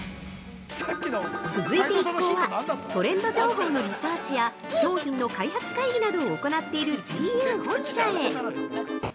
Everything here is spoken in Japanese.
◆続いて一行はトレンド情報のリサーチや商品の開発会議などを行なっているＧＵ本社へ。